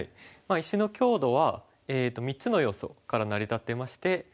石の強度は３つの要素から成り立ってまして。